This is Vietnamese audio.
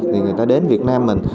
thì người ta đến việt nam mình